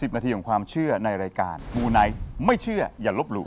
นาทีของความเชื่อในรายการมูไนท์ไม่เชื่ออย่าลบหลู่